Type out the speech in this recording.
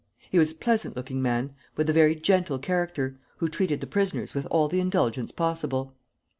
He was a pleasant looking man, with a very gentle character, who treated the prisoners with all the indulgence possible.